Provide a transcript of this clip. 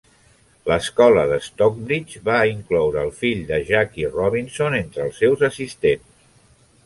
L'Escola de Stockbridge va incloure el fill de Jackie Robinson entre els seus assistents.